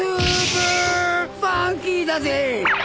ファンキーだぜ！